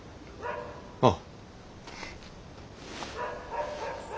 ああ。